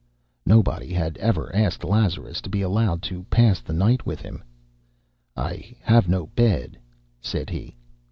Nobody had ever asked Lazarus to be allowed to pass the night with him. "I have no bed," said he.